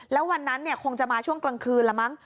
แล้ววันนั้นคงจะมาช่วงกลางคืนละมั้ง